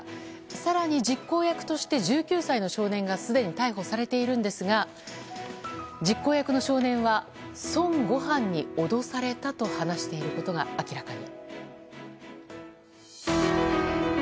更に、実行役として１９歳の少年がすでに逮捕されているんですが実行役の少年は孫悟飯に脅されたと話していることが明らかに。